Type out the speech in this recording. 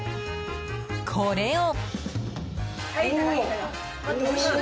これを。